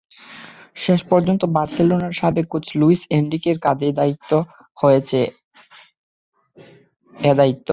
শেষ পর্যন্ত বার্সেলোনার সাবেক কোচ লুইস এনরিকের কাঁধেই দেওয়া হয়েছে এ দায়িত্ব।